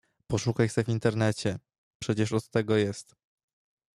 Poszukaj se w internecie, przecież od tego jest.